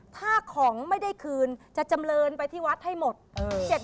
ถ้าของไม่ได้คืนจะจำเรินไปที่วัดให้หมด